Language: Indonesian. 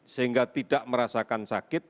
sehingga tidak merasakan keadaan yang baik